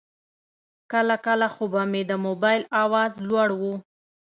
کله کله خو به یې د موبایل آواز لوړ و.